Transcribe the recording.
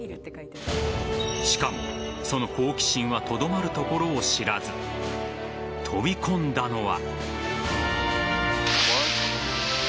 しかも、その好奇心はとどまるところを知らず飛び込んだのは。